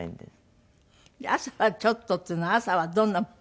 「朝はちょっと」っていうのは朝はどんなもの？